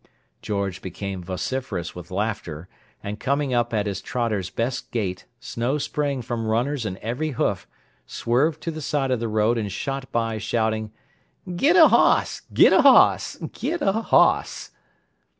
George became vociferous with laughter, and coming up at his trotter's best gait, snow spraying from runners and every hoof, swerved to the side of the road and shot by, shouting, "Git a hoss! Git a hoss! Git a hoss!"